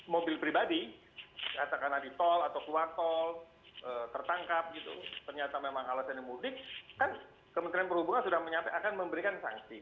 mobil pribadi katakanlah di tol atau keluar tol tertangkap gitu ternyata memang alasannya mudik kan kementerian perhubungan sudah menyampaikan akan memberikan sanksi